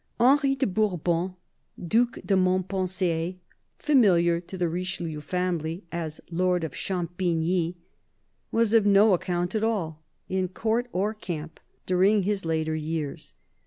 Henry de Bourbon, Due de Montpensier — familiar to the Richelieu family as lord of Champigny — was of no account at all, in court or camp, during his later years.